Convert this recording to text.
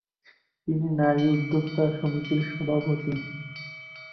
তিনি নারী উদ্যোক্তা সমিতির সভাপতি।